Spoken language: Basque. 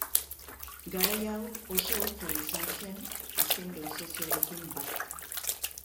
Garai hau oso hotza izan zen, azken glaziazioarekin bat.